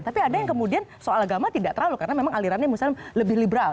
tapi ada yang kemudian soal agama tidak terlalu karena memang alirannya misalnya lebih liberal